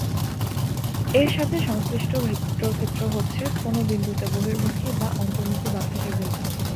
এর সাথে সংশ্লিষ্ট ভেক্টর ক্ষেত্র হচ্ছে কোন বিন্দুতে বহির্মুখী বা অন্তর্মুখী বাতাসের বেগ।